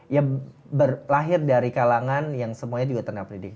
ya lahir dari kalangan yang semuanya juga tenaga pendidik